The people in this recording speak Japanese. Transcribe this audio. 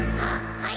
はい。